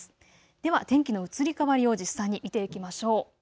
では天気の移り変わりを実際に見ていきましょう。